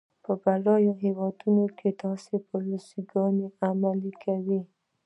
بډایه هیوادونه داسې پالیسي ګانې عملي کوي.